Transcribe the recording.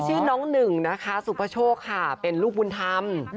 ชื่อน้องหนึ่งสุปชกเป็นลูกวุลธรรม